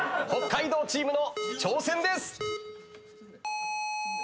北海道チームの挑戦です。